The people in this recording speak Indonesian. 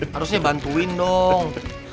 harusnya bantuin dong